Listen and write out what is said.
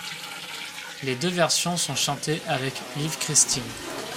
Les deux versions sont chantées avec Liv Kristine.